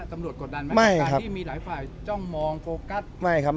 ตำรวจกดดันไหมไม่ครับที่มีหลายฝ่ายจ้องมองโฟกัสไม่ครับ